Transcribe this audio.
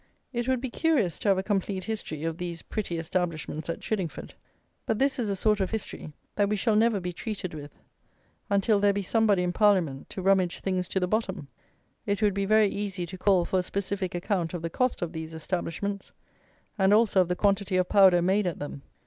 It would be curious to have a complete history of these pretty establishments at Chiddingford; but this is a sort of history that we shall never be treated with until there be somebody in Parliament to rummage things to the bottom. It would be very easy to call for a specific account of the cost of these establishments, and also of the quantity of powder made at them.